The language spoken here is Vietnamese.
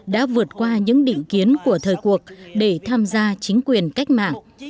đã vượt qua những định kiến của thời cuộc để tham gia chính quyền cách mạng